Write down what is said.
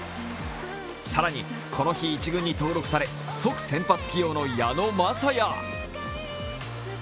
更にこの日、１軍に登録され即先発起用の矢野雅哉。